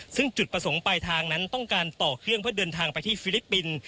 ซึ่งจุดประสงค์ปลายทางนั้นต้องการต่อเครื่องเพื่อเดินทางไปที่ฟิลิปปินส์